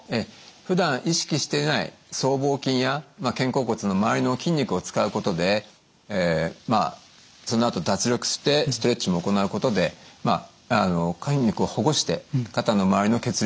ふだん意識していない僧帽筋や肩甲骨の周りの筋肉を使うことでまあそのあと脱力してストレッチも行うことで筋肉をほぐして肩の周りの血流をよくします。